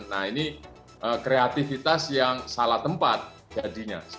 nah ini kreativitas yang salah tempat jadinya